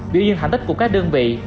biểu diễn hành tích của các đơn vị